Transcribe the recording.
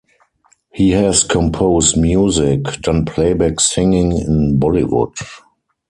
He has composed music, done playback singing in Bollywood.